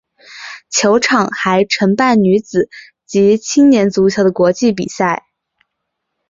球场还承办女子及青年足球的国际比赛。